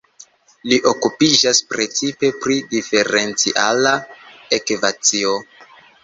Li okupiĝas precipe pri diferenciala ekvacio.